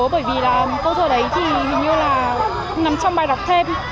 bởi vì là câu thơ đấy thì hình như là nằm trong bài đọc thêm